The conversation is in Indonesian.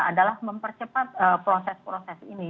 adalah mempercepat proses proses ini